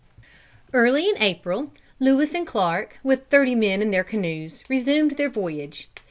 Early in April, Lewis and Clark, with thirty men in their canoes, resumed their voyage.